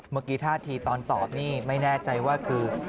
เมื่อกี้ท่าทีตอนตอบนี่ไม่แน่ใจว่าคือ